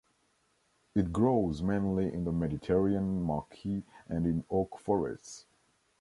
It grows mainly in the Mediterranean maquis and in oak forests.